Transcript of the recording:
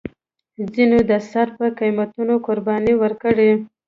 ځینو یې د سر په قیمتونو قربانۍ ورکړې.